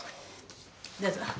どうぞ。